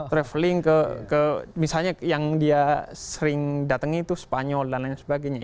traveling ke misalnya yang dia sering datang itu spanyol dan lain sebagainya